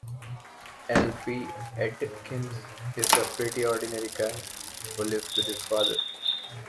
Alfie Atkins is a pretty ordinary guy, who lives with his father.